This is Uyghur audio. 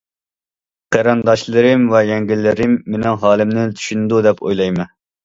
قېرىنداشلىرىم ۋە يەڭگىلىرىم مېنىڭ ھالىمنى چۈشىنىدۇ دەپ ئويلايمەن.